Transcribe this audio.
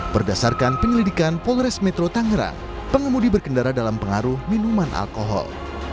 berdasarkan penyelidikan polres metro tangerang pengemudi berkendara dalam pengaruh minuman alkohol